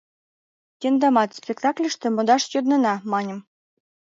— Тендамат спектакльыште модаш йоднена, — маньым.